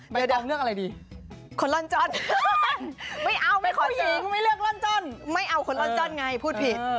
ไม่ต้องเลือกอะไรดีคนล่อนจ้อนไม่เอาไม่ควรเจอไม่เอาคนล่อนจ้อนไงพูดผิด